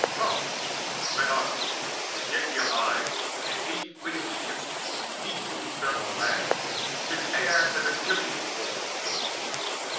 Come, let us, which be yet alive, in haste Flee in the ships, each to his several land, Since Aias and Achilles both are dead.